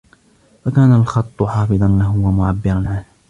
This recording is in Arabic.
فَكَانَ الْخَطُّ حَافِظًا لَهُ وَمُعَبِّرًا عَنْهُ